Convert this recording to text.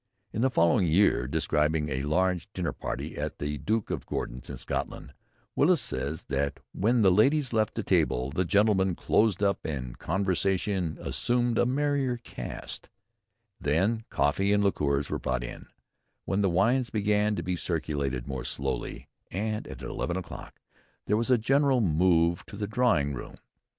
In the following year, describing a large dinner party at the Duke of Gordon's in Scotland, Willis says that when the ladies left the table, the gentlemen closed up and "conversation assumed a merrier cast," then "coffee and liqueurs were brought in, when the wines began to be circulated more slowly," and at eleven o'clock there was a general move to the drawing room.